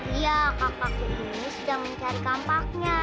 iya kakakku ini sudah mencari kampaknya